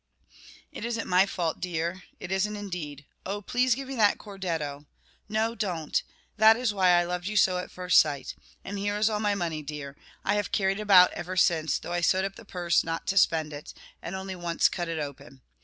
"It isn't my fault, dear. It isn't indeed. Oh, please give me that cordetto. No don't. That is why I loved you so at first sight. And here is all my money dear. I have carried it about ever since, though I sewed up the purse not to spend it, and only once cut it open.